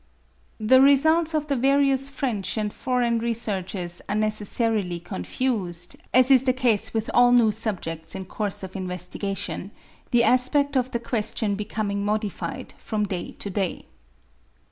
The results of the various French and foreign researches are necessarily confused, as is the case with all new subjects in course of investigation, the aspeft of the question becoming modified from day to day.